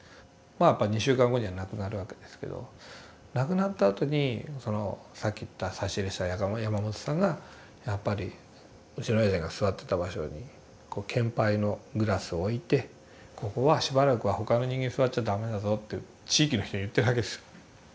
まあやっぱり２週間後には亡くなるわけですけど亡くなったあとにそのさっき言った差し入れした山本さんがやっぱりうちの親父が座ってた場所に献杯のグラスを置いてここはしばらくは他の人間座っちゃダメだぞって地域の人に言ってるわけですよ。